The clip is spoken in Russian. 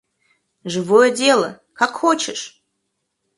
Живое дело, как хочешь!